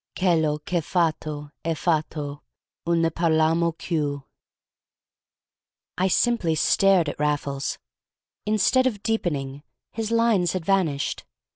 Chello ch' è fatto, è fatto, un ne parlammo cchieù!" I simply stared at Raffles. Instead of deepening, his lines had vanished.